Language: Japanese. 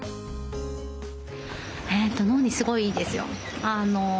脳にすごいいいですよ。